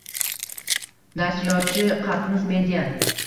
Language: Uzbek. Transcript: Nashriyotchi: Qaqnus Media